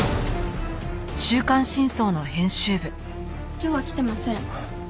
今日は来てません。